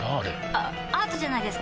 あアートじゃないですか？